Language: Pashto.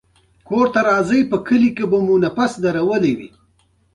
مناسبو خوړو او ښوونې او روزنې سره مرسته کوي.